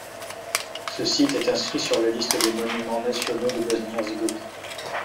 Ce site est inscrit sur la liste des monuments nationaux de Bosnie-Herzégovine.